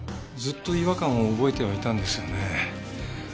ずっと違和感を覚えてはいたんですよね。